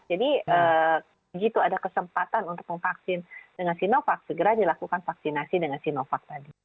jadi begitu ada kesempatan untuk memvaksin dengan sinovac segera dilakukan vaksinasi dengan sinovac tadi